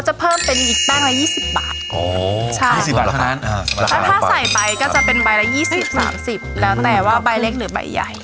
ใช่แล้วถ้าใส่ไปก็จะเป็นใบละ๒๐๓๐แล้วแต่ว่าใบเล็กหรือใบใหญ่